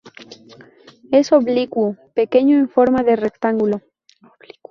Es oblicuo, pequeño y en forma de rectángulo.